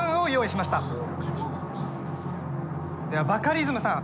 ではバカリズムさん。